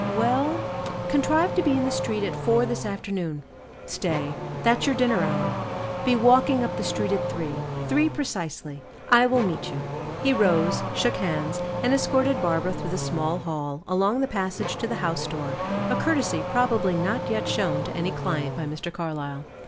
"Well contrive to be in the street at four this afternoon. Stay, that's your dinner hour; be walking up the street at three, three precisely; I will meet you." He rose, shook hands, and escorted Barbara through the small hall, along the passage to the house door; a courtesy probably not yet shown to any client by Mr. Carlyle.